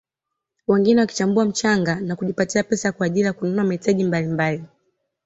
Wengine wakichambua mchanga na kujipatia pesa kwa ajili ya kununua mahitaji mbalimbali